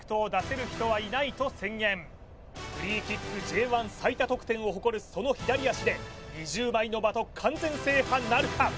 フリーキックＪ１最多得点を誇るその左足で２０枚の的完全制覇なるか？